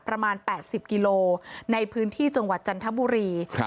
ประมาณ๘๐กิโลในพื้นที่จังหวัดจันทบุรี